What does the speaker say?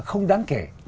không đáng kể